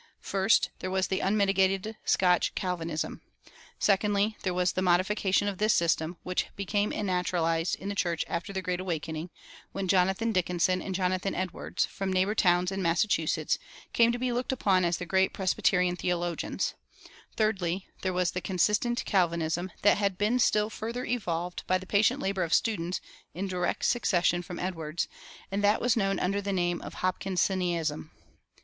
First, there was the unmitigated Scotch Calvinism; secondly, there was the modification of this system, which became naturalized in the church after the Great Awakening, when Jonathan Dickinson and Jonathan Edwards, from neighbor towns in Massachusetts, came to be looked upon as the great Presbyterian theologians; thirdly, there was the "consistent Calvinism," that had been still further evolved by the patient labor of students in direct succession from Edwards, and that was known under the name of "Hopkinsianism."